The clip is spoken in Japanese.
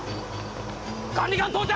管理官到着！